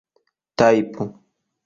tajpu